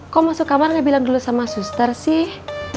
kok masuk kamar dia bilang dulu sama suster sih